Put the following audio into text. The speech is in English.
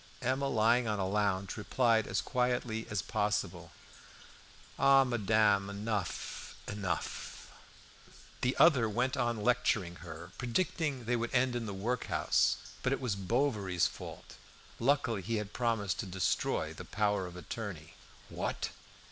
Emma, lying on a lounge, replied as quietly as possible "Ah! Madame, enough! enough!" The other went on lecturing her, predicting they would end in the workhouse. But it was Bovary's fault. Luckily he had promised to destroy that power of attorney. "What?"